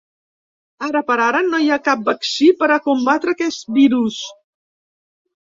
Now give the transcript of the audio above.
Ara per ara, no hi ha cap vaccí per a combatre aquest virus.